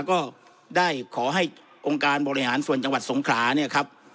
ก็ได้ขอให้องค์การบริหารส่วนจังหวัดสงขา